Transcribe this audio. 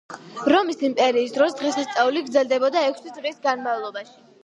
რომის იმპერიის დროს დღესასწაული გრძელდებოდა ექვსი დღის განმავლობაში.